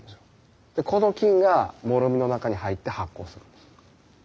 この菌がもろみの中に入って発酵するんですよ。